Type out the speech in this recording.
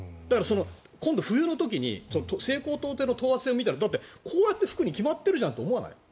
今度冬の時に西高東低の等圧線を見たらこうやって吹くに決まってるじゃないと思わない？